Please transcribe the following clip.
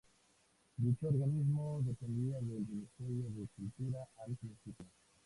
Dicho organismo dependía del Ministerio de Cultura al principio.